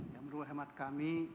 yang beruah hemat kami